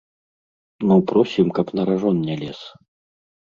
Ну просім, каб на ражон не лез.